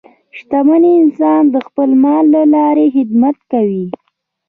شتمن انسان د خپل مال له لارې خدمت کوي.